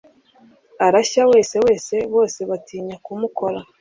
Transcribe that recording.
arashya wese wese bose batinya kumukora